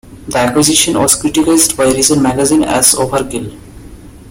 This acquisition was criticized by "Reason" magazine as "overkill".